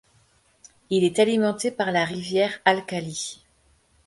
Il est alimenté par la rivière Alcalie.